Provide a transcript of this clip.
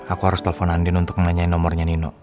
aku harus telepon andin untuk nanya nomornya nino